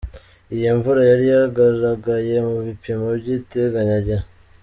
Iyi mvura yari yagaragaye mu bipimo by’iteganyagihe.